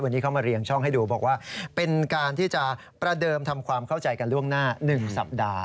วันนี้เขามาเรียงช่องให้ดูบอกว่าเป็นการที่จะประเดิมทำความเข้าใจกันล่วงหน้า๑สัปดาห์